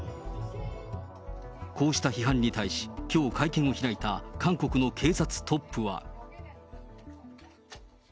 こうした批判に対し、きょう会見を開いた、韓国の警察トップは。